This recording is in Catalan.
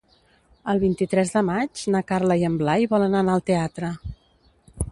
El vint-i-tres de maig na Carla i en Blai volen anar al teatre.